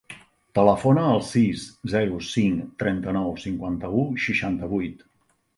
Telefona al sis, zero, cinc, trenta-nou, cinquanta-u, seixanta-vuit.